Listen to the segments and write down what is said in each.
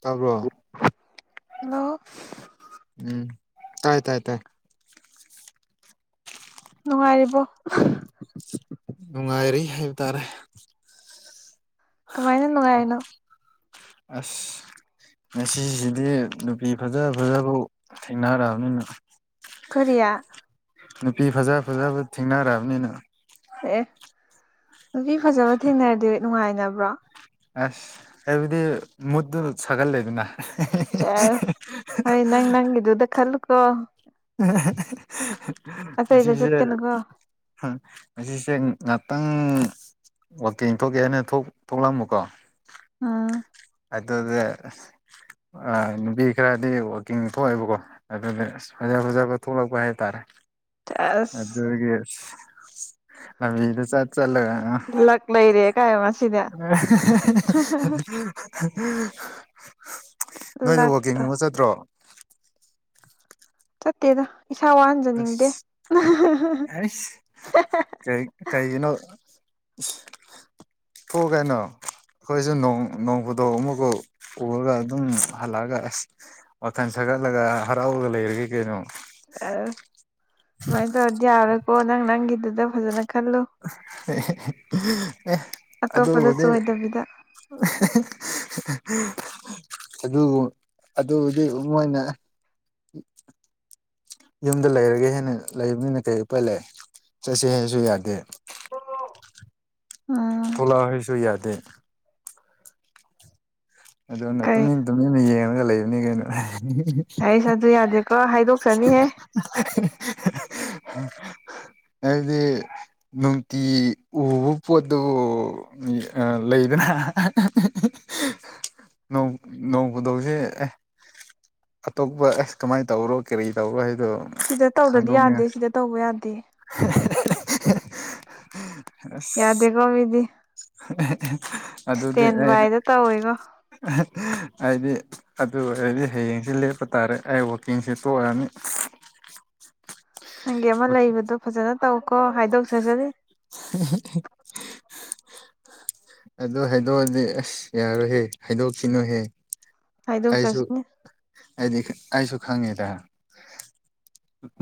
ꯇꯥꯕ꯭ꯔꯣ ꯍꯜꯂꯣ ꯎꯝ ꯇꯥꯏ ꯇꯥꯏ ꯇꯥꯏ ꯅꯨꯡꯉꯥꯏꯔꯤꯕꯣ ꯅꯨꯡꯉꯥꯏꯔꯤ ꯍꯥꯏꯕ ꯇꯥꯔꯦ ꯀꯃꯥꯏꯅ ꯅꯨꯡꯉꯥꯏꯔꯤꯅꯣ ꯑꯁ ꯉꯁꯤꯁꯤꯗꯤ ꯅꯨꯄꯤ ꯐꯖ ꯐꯖꯐꯥꯎ ꯊꯦꯡꯅꯔꯛꯑꯕꯅꯤꯅ ꯀꯔꯤꯌꯥ ꯅꯨꯄꯤ ꯐꯖ ꯐꯖꯕ ꯊꯦꯡꯅꯔꯛꯑꯕꯅꯤꯅ ꯑꯦ ꯑꯦ ꯅꯨꯄꯤ ꯐꯖꯕ ꯊꯦꯡꯅꯔꯗꯤ ꯅꯨꯡꯉꯥꯏꯅꯕ꯭ꯔꯣ ꯑꯁ ꯑꯩꯕꯨꯗꯤ ꯃꯨꯠꯇꯨ ꯁꯥꯒꯠꯂꯦꯗꯅ ꯆꯁ ꯍꯣꯏ ꯅꯪ ꯅꯪꯒꯤꯗꯨꯗ ꯈꯜꯂꯨ ꯀꯣ [unintelligible] ꯉꯁꯤꯁ‌ꯦ ꯆꯠꯀꯅꯨꯀꯣ ꯑꯁꯤꯁꯦ ꯉꯥꯛꯇꯪ ꯋꯥꯛꯀꯤꯡ ꯊꯣꯛꯀꯦ ꯍꯥꯏꯅ ꯊꯣꯛꯂꯝꯃꯨꯀꯣ ꯑꯥ ꯑꯗꯨꯗꯤ ꯅꯨꯄꯤ ꯈꯔꯗꯤ ꯋꯥꯀꯤꯡ ꯊꯣꯛꯑꯦꯕꯀꯣ ꯑꯗꯨꯗꯤ ꯐꯖ ꯐꯖꯕ ꯊꯣꯛꯂꯛꯄ ꯍꯥꯏꯇꯥꯔꯦ ꯑꯁ ꯑꯗꯨꯒꯤ ꯂꯝꯕꯤꯗ ꯆꯠ ꯆꯠ ꯂꯩꯔꯒ ꯂꯛ ꯂꯩꯔꯦ ꯀꯥꯏ ꯉꯁꯤꯗꯤ [inaudible] [inaudible] ꯅꯣꯏꯗꯤ ꯂꯛꯇꯣ ꯋꯥꯛꯀꯤꯡꯒꯨꯝꯕ ꯆꯠꯇ꯭ꯔꯣ ꯆꯠꯇꯦꯗ ꯏꯁꯥ ꯋꯥꯍꯟꯖꯅꯤꯡꯗꯦ ꯑꯁ ꯑꯩꯁ [unintelligible] ꯀꯩ ꯀꯩꯒꯤꯅꯣ ꯊꯣꯛꯎ ꯀꯩꯅꯣ ꯑꯩꯈꯣꯏꯁꯨ ꯅꯣꯡ ꯅ‌‌ꯣꯡꯐꯗꯣꯛ ꯑꯃꯨꯛꯀ‌ꯣꯛ ꯎꯔꯒ ꯑꯗꯨꯝ ꯍꯜꯂꯛꯑꯒ ꯑꯁ ꯋꯥꯊꯜ ꯁꯥꯒꯠꯂꯒ ꯍꯔꯥꯎꯔꯒ ꯂꯩꯔꯒꯦ ꯀꯩꯅꯣ ꯑꯁ ꯑꯗꯨꯨꯃꯥꯏꯅ ꯇꯧꯔꯗꯤ ꯌꯥꯔꯣꯏꯀꯣ ꯅꯪ ꯅꯪꯒꯤꯗꯨꯗ ꯐꯖꯅ ꯈꯜꯂꯨ [unintelligible] ꯑꯦ ꯑꯇꯣꯞꯄꯗ ꯑꯗꯨꯕꯨꯗꯤ ꯆꯣꯏꯗꯕꯤꯗ [unintelligible] ꯑꯗꯨꯕꯨ ꯑꯗꯨꯕꯨꯗꯤ ꯃꯣꯏꯅ ꯎ [inaudible] ꯌꯨꯝꯗ ꯂꯩꯔꯒ ꯍꯦꯟꯅ ꯂꯩꯕꯅꯤꯅ ꯀꯩ ꯎꯄꯥꯏ ꯂꯩ ꯆꯠꯁ‌ꯦ ꯍꯥꯏꯁꯨ ꯌꯥꯗꯦ ꯎꯝ [unintelligible] ꯊꯣꯛꯂꯛꯑꯣ ꯍꯥꯏꯁꯨ ꯌꯥꯗꯦ ꯑꯗꯨꯅ ꯀꯩ ꯇꯨꯃꯤꯟ ꯇꯨꯃꯤꯟꯅ ꯌꯦꯡꯉꯒ ꯂꯩꯕꯅꯤ ꯀꯩꯅꯣ [unintelligible] ꯍꯥꯁ ꯑꯗꯨ ꯌꯥꯗꯦꯀꯣ ꯍꯥꯏꯗꯣꯛꯆꯅꯤꯍꯦ [unintelligible] ꯍꯥꯏꯕꯗꯤ ꯅꯨꯡꯇꯤ ꯎꯕ ꯄꯣꯠꯇꯨꯕꯨ ꯑ ꯂꯩꯗꯅ [unintelligible] ꯅ‌ꯣꯡ ꯅ‌ꯣꯡꯐꯗ‌ꯣꯛꯁ‌ꯦ ꯑꯦ ꯑꯇꯣꯞꯄ ꯑꯦꯁ ꯀꯃꯥꯏꯅ ꯇꯧꯔꯣ ꯀꯔꯤ ꯇꯧꯔꯣ ꯍꯥꯏꯗꯣ ꯁꯤꯗ ꯇꯧꯗꯗꯤ ꯌꯥꯗꯦ ꯁꯤꯗ ꯇꯧꯕ ꯌꯥꯗꯦ ꯑ [inaudible] ꯌꯥꯗꯦꯀꯦ ꯃꯤꯗꯤ [unintelligible] ꯑꯗꯨꯗꯤ ꯏꯁꯇꯦꯟ ꯑꯩ ꯕꯥꯏꯗ ꯇꯧꯋꯦꯀꯣ ꯍꯥꯏꯗꯤ ꯑꯗꯨ ꯑꯣꯏꯔꯗꯤ ꯍꯌꯦꯡꯁꯤ ꯂꯦꯞꯄ ꯇꯥꯔꯦ ꯑꯩ ꯋꯥꯛꯀꯤꯡꯁꯦ ꯇꯣꯛꯑꯅꯤ ꯅꯪꯒꯤ ꯑꯃ ꯂꯩꯕꯗꯣ ꯐꯖꯅ ꯇꯧꯀꯣ ꯍꯥꯏꯗꯣꯛꯆꯥꯁꯅꯤ [inaudible] ꯑꯗꯨ ꯍꯥꯏꯗꯣꯛꯑꯗꯤ ꯑꯁ ꯌꯥꯔꯣꯏꯍꯦ ꯍꯥꯏꯗꯣꯛꯈꯤꯅꯨꯍꯦ ꯑꯩꯁꯨ ꯍꯥꯏꯗꯣꯛꯆꯁꯅꯤ ꯑꯩꯗꯤ ꯑꯩꯁꯨ ꯈꯪꯉꯦꯗ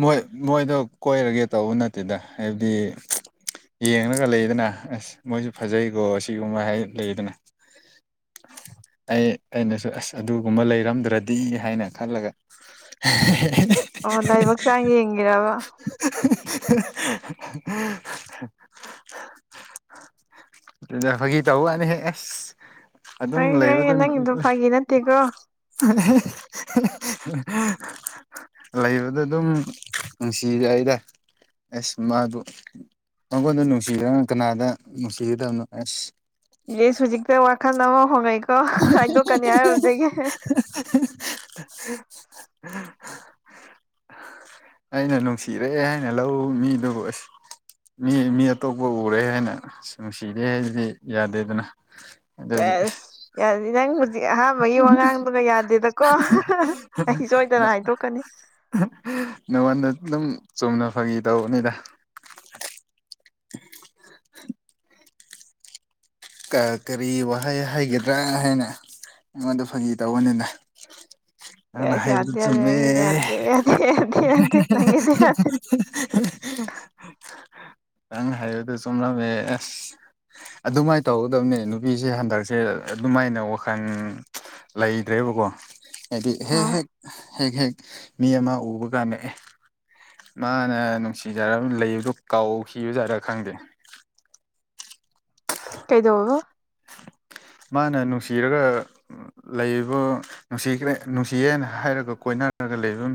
ꯃꯣꯏ ꯃꯣꯏꯗꯣ ꯀꯣꯏꯔꯒꯦ ꯇꯧꯕ ꯅꯠꯇꯦꯗ ꯍꯥꯏꯕꯗꯤ ꯌꯦꯡꯂꯒ ꯂꯩꯗꯅ ꯑꯁ ꯃꯣꯏꯁꯨ ꯐꯖꯩꯀꯣ ꯑꯁꯤꯒꯨꯝꯕ ꯍꯥꯏ ꯂꯩꯗꯅ ꯑꯩ ꯑꯩꯅꯁꯨ ꯑꯁ ꯑꯗꯨꯒꯨꯝꯕ ꯂꯩꯔꯝꯗ꯭ꯔꯗꯤ ꯍꯥꯏꯅ ꯈꯜꯂꯒ ꯑꯣ ꯂꯥꯏꯕꯛꯆꯥꯡ ꯌꯦꯡꯉꯤꯔꯕ [inaudible] ꯑꯗꯨꯗ ꯐꯒꯤ ꯇꯧꯕꯅꯦꯍꯦ ꯑꯁ ꯑꯗꯨꯝ ꯂꯩꯕ ꯑꯗꯨꯝ ꯇꯦꯒꯣ [inaudible] ꯂꯩꯕꯗ ꯑꯗꯨꯝ ꯅꯨꯡꯁꯤꯔꯛꯏꯗ ꯑꯦꯁ ꯃꯥꯗꯨ ꯃꯉꯣꯟꯗ ꯅꯨꯡꯁꯤꯗꯅ ꯀꯅꯥꯗ ꯅꯨꯡꯁꯤꯒꯗꯕꯅꯣ ꯑꯁ ꯏꯁ ꯍꯧꯖꯤꯛꯇ ꯋꯥꯈꯟ ꯑꯃ ꯍꯣꯡꯉꯛꯏꯀꯣ ꯍꯥꯏꯗꯣꯛꯀꯅꯤ ꯍꯥꯏꯔꯨꯕꯗꯒꯤ ꯑꯩꯅ ꯅꯨꯡꯁꯤꯔꯛꯏ ꯍꯥꯏꯅ ꯂꯧ ꯃꯤꯗꯨꯕꯨ ꯑꯁ ꯃꯤ ꯃꯤ ꯑꯇꯣꯞꯄ ꯎꯔꯦ ꯍꯥꯏꯅ ꯅꯨꯡꯁꯤꯗꯦ ꯍꯥꯏꯗꯨꯗꯤ ꯌꯥꯗꯦ ꯑꯗꯨꯅ ꯀꯥꯏꯁ ꯀꯔꯤ ꯅꯪꯅ ꯍꯧꯖꯤꯛ ꯑꯍꯥꯥꯟꯕꯒꯤ ꯋꯥꯉꯥꯡꯗꯨꯒ ꯌꯥꯗꯦꯗꯀꯣ ꯑꯩ ꯁꯣꯏꯗꯅ ꯍꯥꯏꯗꯣꯛꯀꯅꯤ ꯅꯉꯣꯟꯗ ꯑꯗꯨꯝ ꯆꯨꯝꯅ ꯐꯈꯤ ꯇꯧꯕꯅꯤꯗ ꯀꯥ ꯀꯔꯤ ꯋꯥꯍꯩ ꯍꯥꯏꯒꯗ꯭ꯔꯥ ꯍꯥꯏꯅ ꯅꯪꯉꯣꯟꯗ ꯐꯪꯒꯤ ꯇꯧꯕꯅꯤꯗ ꯅꯪꯅ ꯑꯁ ꯍꯥꯏꯕꯗꯨ ꯌꯥꯗꯦ ꯌꯥꯗꯦ ꯆꯨꯝꯃꯦ ꯅꯪꯒꯤꯗꯤ ꯌꯥꯗꯦ ꯌꯥꯗꯦ ꯌꯥꯗꯦ ꯌꯥꯗꯦ ꯅꯪꯒꯤꯗꯤ ꯌꯥꯗꯦ [inaudible] ꯅꯪꯅ ꯍꯥꯏꯕꯗꯨ ꯆꯨꯝꯂꯝꯃꯦ ꯑꯁ ꯑꯗꯨꯃꯥꯏ ꯇꯧꯒꯗꯕꯅꯦ ꯅꯨꯄꯤꯁꯦ ꯍꯟꯗꯛꯁꯦ ꯑꯗꯨꯃꯥꯏꯅ ꯋꯥꯈꯟ ꯂꯩꯗ꯭ꯔꯦꯕꯀꯣ ꯍꯥꯏꯗꯤ ꯑ ꯍꯦꯛ ꯍꯦꯛ ꯍꯦꯛ ꯍꯦꯛ ꯃꯤ ꯑꯃ ꯎꯕ ꯀꯥꯟꯗ ꯑꯦ ꯃꯥꯅ ꯅꯨꯡꯁꯤꯖꯔ ꯂꯩꯕꯗꯨ ꯀꯥꯎꯈꯤꯕꯖꯔꯥ ꯈꯪꯗꯦ ꯀꯩꯗꯧꯏꯕ ꯃꯥꯅ ꯅꯨꯡꯁꯤꯔꯒ ꯂꯩꯕ ꯅꯨꯡꯁꯤꯈꯔꯦ ꯅꯨꯡꯁꯤꯌꯦꯅ ꯍꯥꯏꯔꯒ ꯀꯣꯏꯅꯔꯒ ꯂꯩꯕ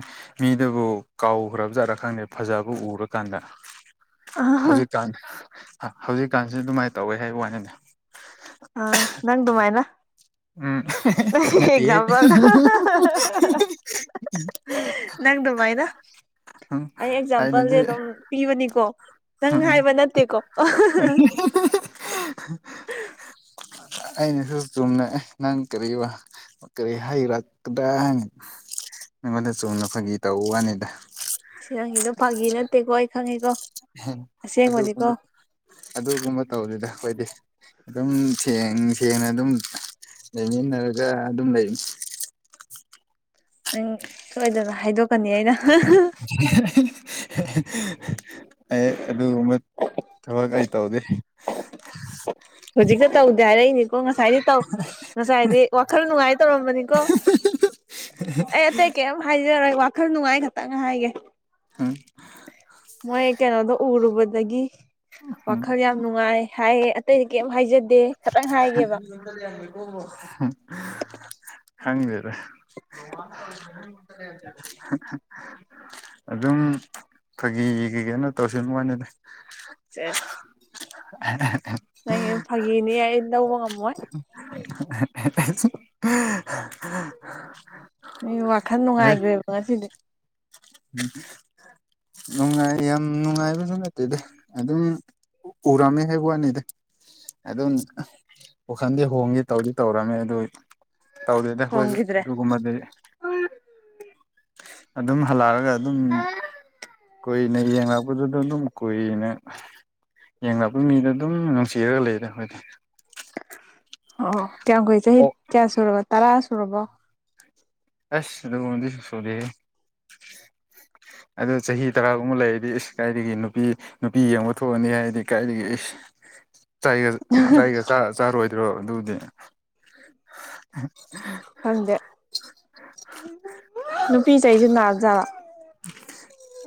ꯃꯤꯗꯨꯕꯨ ꯀꯥꯎꯈ꯭ꯔꯕ ꯖꯥꯠꯂ ꯈꯪꯗꯦ ꯐꯖꯕ ꯎꯔꯀꯥꯟꯗ ꯍꯧꯖꯤꯛꯀꯥꯟ ꯍꯧꯖꯤꯛꯀꯥꯟꯁꯤ ꯑꯗꯨꯃꯥꯏ ꯇꯧꯋꯦ ꯍꯥꯏꯕ ꯋꯥꯅꯤꯗ ꯑꯥ ꯅꯪ ꯗꯨꯃꯥꯏꯅ ꯎꯝ ꯅꯠꯇꯦꯍꯦ ꯑꯦꯛꯖꯥꯝꯄꯜꯗꯣ ꯅꯪ ꯗꯨꯃꯥꯏꯅ ꯎꯝ ꯑꯩ ꯑꯦꯛꯖꯥꯝꯄꯜꯁꯦ ꯑꯩꯅꯗꯤ ꯑꯗꯨꯝ ꯄꯤꯕꯅꯤꯀꯣ ꯅꯪ ꯎꯝ ꯍꯥꯏꯕ ꯅꯠꯇꯦꯀꯣ [inaudible] [inaudible] ꯑꯩꯅꯁꯨ ꯆꯨꯝꯅ ꯅꯪ ꯀꯔꯤꯋꯥ ꯀꯔꯤ ꯍꯩꯔꯛꯀꯗ꯭ꯔꯥ ꯍꯥꯏꯅꯥ ꯅꯪꯉꯣꯟꯗ ꯆꯨꯝꯅ ꯐꯒꯤ ꯇꯧ ꯋꯥꯅꯤꯗ ꯁꯤ ꯅꯪꯒꯤꯗꯣ ꯐꯥꯒꯤ ꯅꯠꯇꯦꯀꯣ ꯑꯩ ꯈꯪꯉꯦꯀꯣ ꯑꯁꯦꯡꯕꯅꯤꯀꯣ ꯑꯗꯨꯒꯨꯝꯕ ꯑꯗꯨꯒꯨꯝꯕ ꯇꯧꯗꯦꯗ ꯑꯩꯈꯣꯏꯗꯤ ꯑꯗꯨꯝ ꯁꯦꯡ ꯁꯦꯡꯅ ꯑꯗꯨꯝ ꯂꯩꯃꯤꯟꯅꯔꯒ ꯑꯗꯨꯝ ꯂꯩ ꯅꯪ ꯁꯣꯏꯗꯅ ꯍꯥꯏꯗꯣꯛꯀꯅꯤ ꯑꯩꯅ [inaudible] ꯑꯩ ꯑꯗꯨꯒꯨꯝꯕ ꯊꯕꯛ ꯑꯩ ꯇꯧꯗꯦ ꯍꯧꯖꯤꯛꯇ ꯇꯧꯗꯦ ꯍꯥꯏꯔꯛꯏꯅꯤꯀꯣ ꯉꯁꯥꯏꯗꯤ ꯇꯧ ꯉꯁꯥꯏꯗꯤ ꯋꯥꯈꯜ ꯅꯨꯡꯉꯥꯏ ꯇꯧꯔꯝꯕꯅꯤꯀꯣ ꯑꯩ ꯑꯇꯩ ꯀꯩꯝ ꯍꯥꯏꯖꯔꯣꯏ ꯋꯥꯈꯟ ꯅꯨꯡꯉꯥꯏ ꯈꯛꯇꯪ ꯍꯥꯏꯒꯦ ꯎꯝ ꯃꯣꯏ ꯀꯩꯅꯣꯗꯣ ꯎꯔꯨꯕꯗꯒꯤ ꯎꯝ ꯋꯥꯈꯜ ꯌꯥꯝ ꯅꯨꯡꯉꯥꯏ ꯍꯥꯏꯌꯦ ꯑꯇꯩꯗꯤ ꯀꯔꯤꯝ ꯍꯥꯏꯖꯗꯦ ꯈꯇꯪ ꯍꯥꯏꯒꯦꯕ ꯈꯪꯗꯦꯗ [unintelligible] ꯑꯗꯨꯝ ꯐꯥꯒꯤꯒꯤ ꯀꯩꯅꯣ ꯇꯧꯁꯤ ꯋꯅꯤꯗ ꯑꯦꯁ [unintelligible] ꯅꯪ ꯐꯥꯒꯤꯅꯦ ꯌꯥ ꯂꯧꯕ ꯉꯝꯃꯣꯏ [unintelligible] ꯃꯤ ꯋꯥꯈꯜ ꯑꯦ ꯅꯨꯡꯉꯥꯏꯈ꯭ꯔꯦꯕ ꯉꯁꯤꯗꯤ ꯅꯨꯡꯉꯥꯏ ꯌꯥꯝ ꯅꯨꯡꯉꯥꯏꯕꯁꯨ ꯅꯠꯇꯦꯗ ꯑꯗꯨꯝ ꯎꯔꯃꯦ ꯍꯥꯏꯋꯅꯤꯗ ꯑꯗꯨꯝ ꯋꯥꯈꯟꯗꯤ ꯍꯣꯡꯉ ꯇꯧꯗꯤ ꯇꯧꯔꯝꯃꯦ ꯑꯗꯨ ꯇꯧꯗꯦꯗ ꯑꯩꯈꯣꯏ ꯍꯣꯡꯈꯤꯗ꯭ꯔꯦ ꯑꯗꯨꯒꯨꯝꯕꯗꯤ ꯑꯗꯨꯝ ꯍꯜꯂꯛꯑꯒ ꯑꯗꯨꯝ ꯀꯨꯏꯅ ꯌꯦꯡꯂꯛꯄꯗꯨꯗ ꯑꯗꯨꯝ ꯀꯨꯏꯅ ꯌꯦꯡꯂꯛꯄ ꯃꯤꯗ ꯑꯗꯨꯝ ꯅꯨꯡꯁꯤꯔꯒ ꯂꯩꯔꯦ ꯑꯩꯈꯣꯏꯗꯤ ꯑꯣ ꯀꯌꯥꯝꯨ ꯀꯨꯏ ꯆꯍꯤ ꯑꯣ ꯀꯌꯥ ꯁꯨꯔꯕꯣ ꯇꯔꯥ ꯁꯨꯔꯕꯣ ꯑꯁ ꯗꯨꯒꯨꯝꯕꯗꯤ ꯁꯨꯗꯦ [unintelligible] ꯑꯗ ꯆꯍꯤ ꯇꯔꯥꯒꯨꯝꯕ ꯂꯩꯔꯗꯤ ꯏꯁ ꯀꯥꯏꯗꯒꯤ ꯅꯨꯄꯤ ꯅꯨꯄꯤ ꯌꯦꯡꯕ ꯊꯣꯛꯑꯅꯤ ꯍꯥꯏꯗꯤ ꯀꯥꯏꯗꯒꯤ ꯑꯁ ꯆꯥꯏꯒ [unintelligible] ꯆꯥꯔꯣꯏꯗ꯭ꯔꯣ ꯑꯗꯨꯗꯤ ꯈꯪꯗꯦ ꯅꯨꯄꯤꯁꯁꯨ ꯅꯥ ꯖꯥꯠꯂ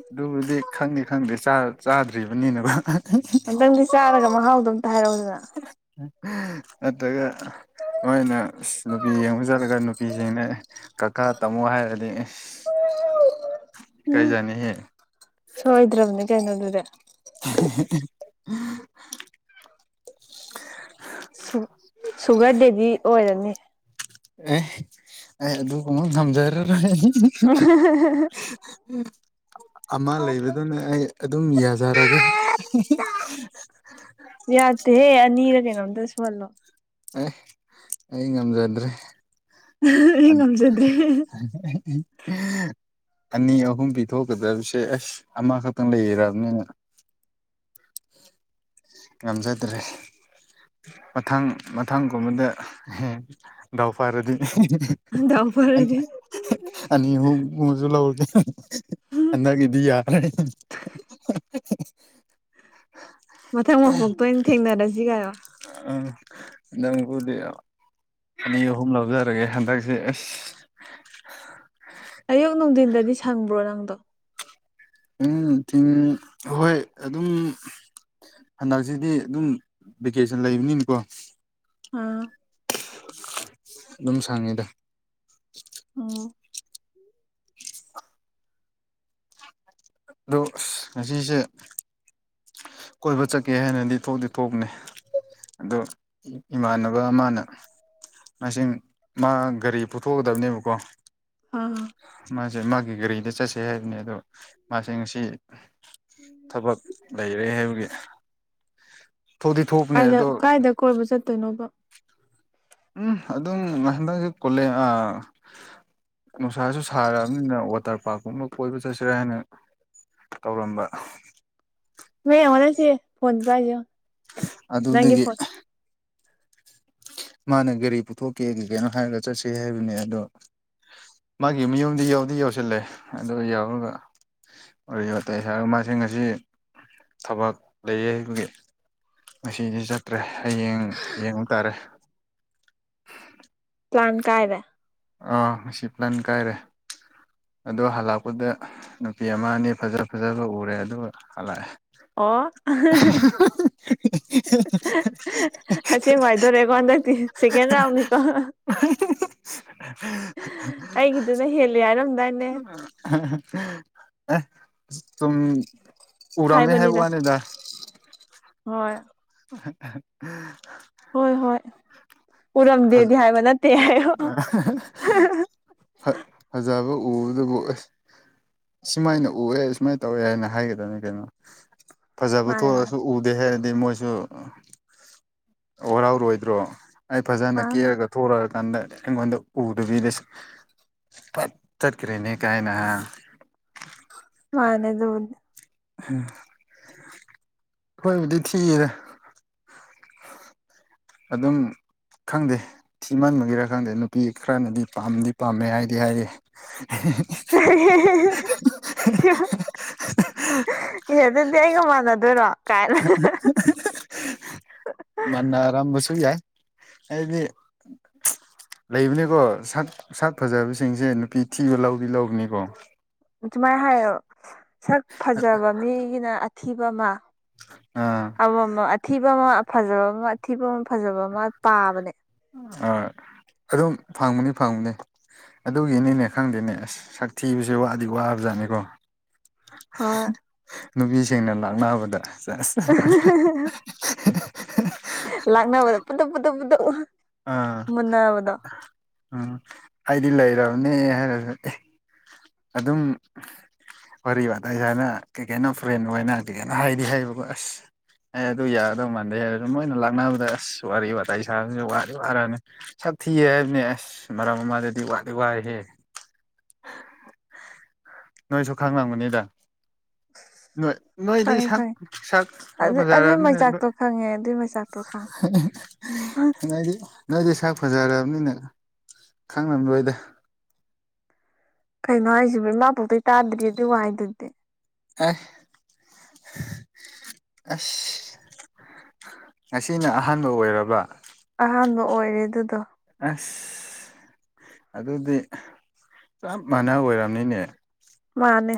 ꯑꯗꯨꯕꯨꯗꯤ ꯈꯪꯗꯦ ꯈꯪꯗꯦ ꯆꯥꯗ꯭ꯔꯤꯕꯅꯤꯕ ꯅꯪꯗꯤ ꯆꯥꯔꯒ ꯃꯍꯥꯎꯗꯣ ꯑꯝꯇ ꯍꯥꯏꯔꯛꯎꯗꯅ ꯑꯗꯨꯒ ꯃꯣꯏꯅ ꯅꯨꯄꯤ ꯌꯦꯡꯉꯨ ꯆꯠꯂꯒ ꯅꯨꯄꯤꯁꯤꯡꯦꯡꯅ ꯀꯀꯥ ꯇꯝꯃꯨ ꯍꯥꯏꯔꯗꯤ ꯀꯥꯏꯖꯅꯤꯍꯦ ꯁꯣꯏꯗ꯭ꯔꯕꯅꯦ ꯀꯩꯅꯣꯗꯨꯗꯤ [unintelligible] ꯁꯨꯒꯔ ꯗꯦꯕꯤ ꯑꯣꯏꯔꯅꯤ ꯑꯦ ꯑꯩ ꯑꯗꯨ ꯀꯨꯝꯃ ꯊꯝꯖꯔꯔꯣꯏ ꯑꯃ ꯂꯩꯕꯗꯨꯅꯦ ꯑꯩ ꯑꯗꯨꯝ ꯌꯥꯖꯔꯒꯦ ꯌꯥꯗꯦꯍꯦ ꯑꯅꯤꯔ ꯀꯩꯅꯣꯝꯇ ꯁꯍꯜꯂꯣ ꯑꯦ ꯑꯩ ꯉꯝꯖꯗ꯭ꯔꯦ ꯑꯩ ꯑꯗꯨ ꯉꯝꯖꯗ꯭ꯔꯦ ꯑꯅꯤ ꯑꯍꯨꯝ ꯄꯤꯊꯣꯛꯀꯗꯕꯁꯦ ꯑꯁ ꯑꯃꯈꯛꯇꯪ ꯂꯩꯔꯕꯅꯤꯅ ꯉꯝꯖꯗ꯭ꯔꯦ ꯃꯊꯥꯡ ꯃꯊꯥꯡꯒꯨꯝꯕꯗ ꯗꯥꯎ ꯐꯥꯔꯗꯤ ꯗꯎ ꯐꯔꯗꯤ ꯑ ꯍꯨ ꯃꯖꯨ ꯂꯧꯕꯒꯦ ꯍꯟꯗꯛꯀꯤꯗꯤ ꯌꯥꯔꯦ ꯃꯊꯪ ꯃꯐꯣꯛꯇꯣꯏ ꯑꯣꯏꯅ ꯊꯦꯡꯅꯔꯁꯤ ꯀꯥꯏꯔꯣ ꯎꯝ ꯅꯪꯕꯨꯗꯤ ꯑꯅꯤ ꯑꯍꯨꯝ ꯂꯧꯖꯔꯒꯦ ꯍꯟꯗꯛꯁꯦ ꯑꯁ ꯑꯌꯨꯛ ꯅꯨꯡꯊꯤꯟꯗꯗꯤ ꯁꯪꯕ꯭ꯔꯣ ꯅꯪꯗꯣ ꯅꯨꯡ ꯊꯤꯟ ꯍꯣꯏ ꯑꯗꯨꯝ ꯍꯟꯗꯛꯁꯤꯗꯤ ꯑꯗꯨꯝ ꯚꯦꯀꯦꯁꯟ ꯂꯩꯕꯅꯤꯅꯤꯀꯣ ꯑꯥ ꯑꯗꯨꯝ ꯁꯪꯉꯤꯗ ꯑꯣ ꯑ ꯉꯁꯦ ꯀꯣꯏꯕ ꯆꯠꯀꯦ ꯍꯥꯏꯅꯗꯤ ꯊꯣꯛꯇꯗꯤ ꯊꯣꯛꯅꯤ ꯑꯗꯣ ꯏꯃꯥꯟꯅꯕ ꯑꯃꯅ ꯃꯁꯤ ꯃꯥ ꯒꯥꯔꯤ ꯄꯨꯊꯣꯛꯀꯗꯕꯅꯦꯕꯀꯣ ꯑꯝ ꯃꯥꯁꯦ ꯃꯥꯒꯤ ꯒꯥꯔꯤꯗ ꯆꯠꯁꯦ ꯍꯥꯏꯕꯅꯦ ꯑꯗꯣ ꯃꯥꯁ ꯉꯁꯤ ꯊꯕꯛ ꯂꯩꯔꯦ ꯍꯥꯏꯕꯒꯤ ꯊꯣꯛꯇꯤ ꯊꯣꯛꯄꯅꯦ ꯀꯥꯏꯗ ꯑꯗꯣ ꯀꯥꯏꯗ ꯀꯣꯏꯕ ꯆꯠꯇꯣꯏꯅꯣꯕ ꯎꯝ ꯑꯗꯨꯝ ꯍꯟꯗꯛꯁꯦ ꯀꯣꯜꯂꯦ ꯅꯨꯡꯁꯥꯁꯨ ꯁꯥꯔꯛꯑꯕꯅꯤꯅ ꯋꯥꯇꯔ ꯄꯥꯔꯛꯀꯨꯝꯕ ꯀꯣꯏꯕ ꯆꯠꯁꯤꯔꯦ ꯍꯥꯏꯅ ꯇꯧꯔꯝꯕ ꯃ ꯑꯃꯅꯤꯅꯁꯤꯦ ꯐꯣꯟꯠꯄꯖ ꯑꯗꯨꯗꯒꯤ ꯃꯥꯅ ꯒꯥꯔꯤ ꯄꯨꯊꯣꯛꯀꯦ ꯀꯩ ꯀꯅꯣ ꯍꯥꯏꯔꯒ ꯆꯠꯁ ꯍꯥꯏꯕꯅꯦ ꯑꯗꯣ ꯃꯥꯒꯤ ꯃꯌꯨꯝꯗꯤ ꯌꯥꯎꯗꯤ ꯌꯧꯁꯤꯜꯂꯦ ꯑꯗꯨ ꯌꯥꯎꯔꯒ ꯋꯥꯔꯤ ꯋꯥꯇꯇꯩ ꯁꯥꯔꯒ ꯃꯥꯁꯤ ꯉꯁꯤ ꯊꯕꯛ ꯂꯩꯌꯦ ꯑꯩꯈꯒꯤ ꯉꯁꯤꯗꯤ ꯆꯠꯇ꯭ꯔꯦ ꯍꯌꯦꯡ ꯌꯦꯡꯕꯨ ꯇꯥꯔꯦ ꯄ꯭ꯂꯥꯟ ꯀꯥꯏꯗ ꯑꯥ ꯉꯁꯤ ꯄ꯭ꯂꯥꯟ ꯀꯥꯏꯔꯦ ꯑꯗꯣ ꯍꯜꯂꯛꯄꯗ ꯅꯨꯄꯤ ꯑꯃ ꯑꯅꯤ ꯐꯖ ꯐꯖꯕ ꯎꯔꯦ ꯑꯗꯨꯒ ꯍꯜꯂꯛꯑꯦ ꯑꯣ ꯑꯁꯤꯁꯉꯥꯏꯗꯣꯔꯑꯦꯀꯣ ꯍꯟꯗꯛꯇꯤ ꯁꯦꯀꯦꯟ ꯔꯥꯎꯟꯅꯤꯀꯣ inaudible ꯍꯦ-ꯍꯦ-ꯍꯥ-ꯍꯦ-ꯍꯦ ꯑꯩꯒꯤꯗꯨꯅ ꯍꯦꯜꯂꯦ ꯍꯥꯏꯔꯝꯗꯥꯏ ꯅꯦ ꯎꯑ ꯏꯍꯥ-ꯍꯥ ꯑꯦ ꯖ ꯇꯨꯝ ꯎꯔꯝꯃꯦ ꯍꯥꯏ ꯍꯥꯏꯕꯅꯤꯗ ꯋꯥꯅꯤꯗ ꯍꯣꯏ ꯏꯍꯥ-ꯍꯥ-ꯍꯥ ꯍꯣꯏ-ꯍꯣꯏ ꯐꯖ ꯎꯔꯝꯗꯦꯗꯤ ꯍꯥꯏꯕ ꯅꯠꯇꯦ ꯍꯥꯏꯌꯣ ꯐꯥ ꯐꯖꯕ ꯎꯕꯗꯕꯨ ꯑ꯭ꯁ ꯁꯨꯃꯥꯏꯅ ꯎꯑꯦ ꯁꯨꯃꯥꯏꯅ ꯇꯧꯋꯦ ꯍꯥꯏꯅ ꯍꯥꯏꯒꯗꯅꯤ ꯀꯩꯅꯣ ꯐꯖꯕ ꯃꯥꯅꯦ ꯃꯥꯅꯦ ꯊꯣꯛꯑꯁꯨ ꯎꯗꯦ ꯍꯦ ꯑꯩꯗꯤ ꯃꯣꯏ ꯁꯨ ꯋꯥꯔꯎꯔꯣꯏꯗ꯭ꯔꯣ ꯑꯩ ꯐꯖꯅ ꯃꯥꯅꯦ ꯀꯦꯔꯒ ꯊꯣꯔꯛꯑꯀꯥꯟꯗ ꯑꯩꯉꯣꯟꯗ ꯎꯗꯕꯤꯗꯁꯨ ꯄꯠ ꯇꯠ ꯀꯔꯦꯅꯦ ꯀꯥꯏꯅꯍ ꯃꯥꯅꯦ ꯑꯗꯨꯅꯦ ꯎꯝ ꯈꯣꯏꯕꯨꯗꯤ ꯊꯤꯌꯦꯗ ꯑꯗꯨꯝ ꯈꯪꯗꯦ ꯊꯤꯃꯟꯕꯒꯤꯔ ꯈꯪꯗꯦ ꯅꯨꯄꯤ ꯈꯔꯅꯗꯤ ꯄꯥꯝꯗꯤ ꯄꯥꯝꯃꯦ ꯍꯥꯏꯗꯤ ꯍꯥꯏꯔꯤ ꯍꯤ-ꯍꯤ ꯏꯍꯤ-ꯍꯤ-ꯍꯤ-ꯍꯤ-ꯍꯤ ꯏꯍꯤ-ꯏ ꯑꯦ ꯑꯗꯨꯗꯤ ꯑꯩꯒ ꯃꯥꯟꯅꯗꯣꯏꯔꯣ ꯀꯥꯏꯅ ꯏ-ꯍꯤ-ꯍꯤ-ꯍꯤ ꯃꯅ ꯑꯔꯝꯕꯨꯁꯨꯨ ꯌꯥꯏꯗꯤ ꯆꯤ ꯂꯩꯕꯅꯤꯀꯣ ꯁꯥꯛ ꯁꯥꯛ ꯐꯖꯕꯁꯤꯡꯁꯦ ꯅꯨꯄꯤ ꯊꯤꯕ ꯂꯧꯗꯤ ꯂꯧꯕꯅꯤꯀꯣ ꯁꯨꯃꯥꯏꯅ ꯍꯥꯏꯌꯣ ꯁꯛ ꯐꯖꯕ ꯃꯤꯒꯤꯅ ꯑꯊꯤꯕ ꯑꯃ ꯑꯥ ꯑꯃ-ꯑꯃ ꯑꯊꯤꯕ ꯑꯃ ꯐꯖꯕ ꯑꯃ ꯑꯊꯤꯕ ꯑꯃ ꯐꯖꯕ ꯑꯃ ꯄꯥꯕꯅꯦ ꯑꯥ ꯑꯗꯨꯝ ꯐꯪꯕꯅꯤ ꯐꯪꯕꯅꯦ ꯑꯗꯨꯒꯤꯅꯤꯅꯦ ꯈꯪꯗꯦꯅꯦ ꯑ꯭ꯁ ꯁꯛ ꯊꯤꯕꯁꯦ ꯋꯥꯗꯤ ꯋꯥꯕ ꯖꯥꯠꯅꯤꯀꯣ ꯍꯣꯏ ꯅꯨꯄꯤꯁꯤꯡꯅ ꯂꯥꯛꯅꯕꯗ ꯁꯦꯖ ꯑ-ꯍꯤ-ꯍꯤ-ꯍꯥ ꯂꯥꯛꯅꯕꯗ ꯄꯨꯗꯞ ꯄꯨꯗꯞ ꯄꯨꯗꯨꯞ ꯑꯥ ꯎꯝ ꯑꯩꯗꯤ ꯂꯩꯔꯕꯅꯦ ꯍꯥꯏꯔꯒ ꯑꯦ ꯑꯗꯨꯝ ꯋꯔꯤ ꯋꯇꯥꯏꯍꯥꯏꯅ ꯀꯩ ꯀꯩꯅꯣ ꯐ꯭ꯔꯦꯟ ꯑꯣꯏꯅ ꯀꯩ ꯀꯩꯅꯣ ꯍꯥꯏꯗꯤ ꯍꯥꯏꯕꯀꯣ ꯑ꯭ꯁ ꯑꯦ ꯑꯗꯨ ꯌꯥꯒꯗꯧ ꯃꯥꯟꯗꯦ ꯍꯦ ꯑꯗꯨ ꯃꯣꯏꯅ ꯂꯥꯛꯅꯕꯗ ꯑꯁ ꯋꯔꯤ ꯋꯇꯥꯏ ꯁꯥꯕꯁꯨ ꯋꯔꯤ ꯋꯔꯥꯅꯦ ꯁꯛ ꯊꯤꯑ ꯍꯥꯏꯕꯅꯦ ꯑ꯭ꯁ ꯃꯔꯝ ꯑꯃꯥꯗꯗꯤ ꯋꯥꯗꯤ ꯋꯥꯏꯍꯦ ꯅꯣꯏꯁꯨ ꯈꯪꯂꯝꯒꯅꯤꯗ ꯅꯣꯏ ꯅꯣꯏꯗꯤ ꯈꯪꯉꯤ ꯁꯥꯛ ꯈꯪꯉꯤ ꯁꯥꯛ ꯑꯗꯨ ꯑꯗꯨꯏ ꯐꯖꯥꯔꯝꯅꯤꯗ ꯅꯣꯏ ꯃꯩꯆꯥꯛꯇꯣ ꯈꯪꯉꯦ ꯑꯗꯨꯏ ꯃꯩꯆꯥꯛꯇꯣ ꯈꯪꯉꯦ ꯅꯗꯤ ꯅꯣꯏꯗꯤ ꯁꯥꯛ ꯐꯖꯔꯕꯅꯤꯅ ꯈꯪꯅꯝ ꯔꫭꯏꯗ ꯀꯩꯅꯣ ꯍꯥꯏꯁꯤꯕ ꯏꯃꯥ ꯄꯣꯛꯇꯩ ꯇꯥꯗ꯭ꯔꯤ ꯑꯗꯨ ꯋꯥꯍꯩꯗꯨꯗꯤ ꯑꯥꯏ ꯍꯦ ꯑ꯭ꯁ ꯉꯁꯤꯅ ꯑꯍꯥꯟꯕ ꯑꯣꯏꯔꯕ ꯑꯍꯥꯟꯕ ꯑꯣꯏꯔꯦ ꯑꯗꯨꯗꯣ ꯑ꯭ꯁ ꯑꯗꯨꯗꯤ ꯆꯞ ꯃꯥꯅ ꯑꯣꯏꯝꯅꯤꯅꯦ ꯃꯥꯅꯦ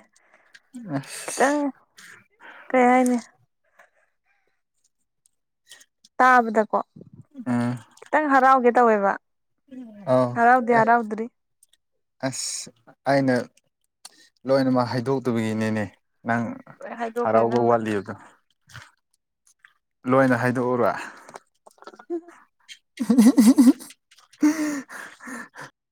ꯏ ꯑ꯭ꯁ ꯈꯤꯇꯪ ꯀꯩ ꯍꯥꯏꯅꯤ ꯇꯥꯕꯗꯀꯣ ꯑ ꯈꯤꯇꯪ ꯍꯔꯥꯎꯒꯦ ꯇꯧꯋꯦꯕ ꯑꯥꯎ ꯍꯔꯥꯎꯗꯤꯦ ꯑꯩ ꯍꯔꯥꯎꯗ꯭ꯔꯤ ꯑꯁ ꯑꯩꯅ ꯂꯣꯏꯅꯃꯛ ꯍꯥꯏꯗꯣꯛꯇꯕꯒꯤꯅꯤꯅꯦ ꯅꯪ ꯂꯣꯏ ꯍꯥꯏꯗꯣꯛꯈ꯭ꯔꯦ ꯍꯔꯥꯎꯕꯧ ꯅꯪꯅ ꯋꯥꯜꯂꯤꯗ ꯂꯣꯏꯅ ꯍꯥꯏꯗꯣꯛꯎꯔ ꯎ [unintelligible]